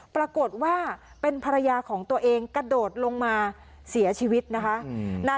ปรากฏว่าเป็นภรรยาของตัวเองกระโดดลงมาเสียชีวิตนะคะ